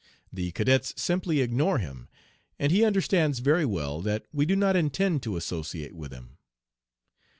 The cadets simply ignore him, and he understands very well that we do not intend to associate with him.'